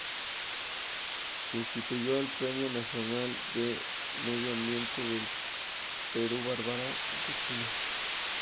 Se instituyó el Premio Nacional del Medio Ambiente del Perú Barbara D’Achille.